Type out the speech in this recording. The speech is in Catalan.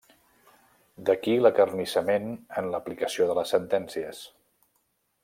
D'aquí l'acarnissament en l'aplicació de les sentències.